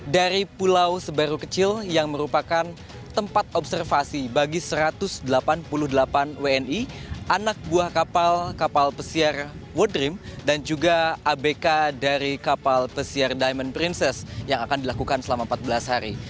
dari pulau sebaru kecil yang merupakan tempat observasi bagi satu ratus delapan puluh delapan wni anak buah kapal kapal pesiar world dream dan juga abk dari kapal pesiar diamond princess yang akan dilakukan selama empat belas hari